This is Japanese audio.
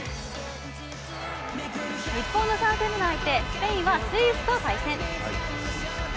日本の３戦目の相手、スペインはスイスと対戦。